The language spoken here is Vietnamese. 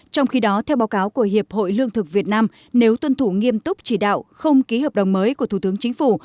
trong khi đó theo báo cáo của hiệp hội lương thực việt nam nếu tuân thủ nghiêm túc chỉ đạo không ký hợp đồng mới của thủ tướng chính phủ